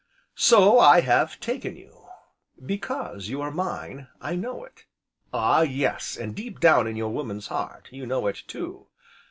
So I have taken you because you are mine, I know it, Ah yes! and, deep down in your woman's heart, you know it too.